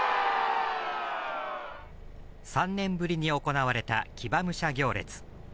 ３年ぶりに行われた騎馬武者行列。